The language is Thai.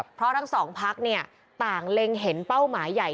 เพราะทั้งสองพักต่างเล็งเห็นเป้าหมายใหญ่